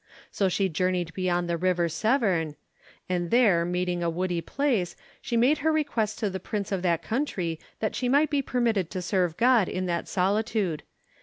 So she journeyed beyond the river Severn, 'and there meeting a woody place, she made her request to the prince of that country that she might be permitted to serve God in that solitude.